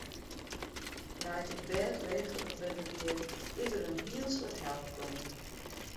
Nei't ik bêdlegerich wurden wie, is der in hiel soad help kommen.